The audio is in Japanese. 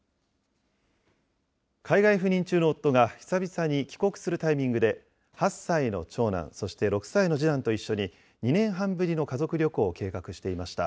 海外赴任中の夫が久々に帰国するタイミングで、８歳の長男、そして６歳の次男と一緒に２年半ぶりの家族旅行を計画していました。